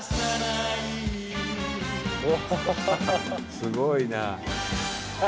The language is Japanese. すごいな。